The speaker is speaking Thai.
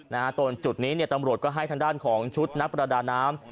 ตรงจุดนี้เนี่ยตำรวจก็ให้ทางด้านของชุดนักประดาน้ำ